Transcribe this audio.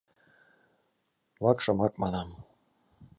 Вакшымак, манам.